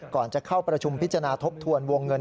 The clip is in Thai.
ก่อนจะเข้าประชุมพิจารณาทบทวนวงเงิน